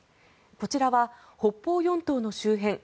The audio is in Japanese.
こちらは北方四島の周辺１２